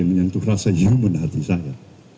menyentuh rasa human hati saya